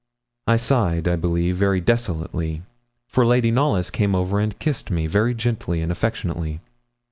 I sighed, I believe, very desolately, for Lady Knollys came over and kissed me very gently and affectionately.